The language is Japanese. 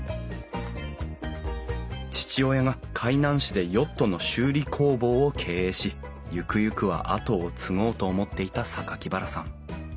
父親が海南市でヨットの修理工房を経営しゆくゆくは後を継ごうと思っていた榊原さん。